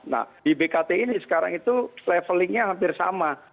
nah di bkt ini sekarang itu levelingnya hampir sama